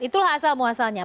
itulah asal muasalnya